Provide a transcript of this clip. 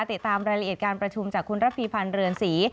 ติดตามรายละเอียดการประชุมจากคุณระพีพันธ์เรือนศรี